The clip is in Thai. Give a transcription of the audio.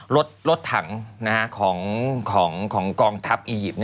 รถถังของกองทัพอียิปต์